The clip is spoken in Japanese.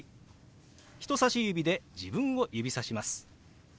人さし指で自分を指さします。